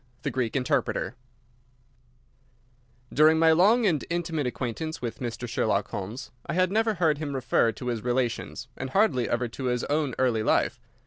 X. The Greek Interpreter During my long and intimate acquaintance with Mr. Sherlock Holmes I had never heard him refer to his relations, and hardly ever to his own early life.